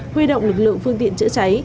huy động lực lượng phương tiện chữa cháy